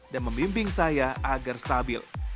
dan memimping saya agar stabil